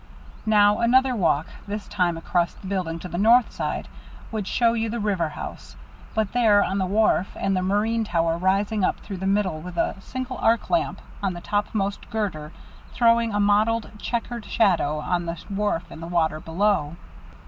Now another walk, this time across the building to the north side, would show you the river house, out there on the wharf, and the marine tower rising up through the middle with a single arc lamp on the topmost girder throwing a mottled, checkered shadow on the wharf and the water below.